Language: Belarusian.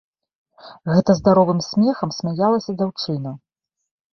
Гэта здаровым смехам смяялася дзяўчына.